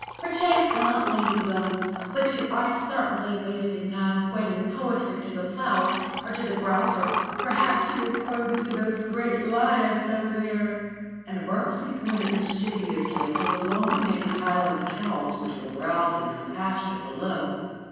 "Perchance not, lazybones! But you are certainly wasting time quoting poetry to the clouds or to the grouse, or perhaps you were quoting to those great lions over there," and Birksie pointed mischievously to the long maned Highland cows which were browsing in a pasture below.